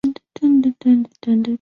这是他跟我都知道的事